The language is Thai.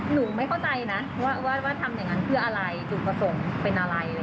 ไม่เข้าใจนะว่าทำอย่างนั้นเพื่ออะไรจุดประสงค์เป็นอะไร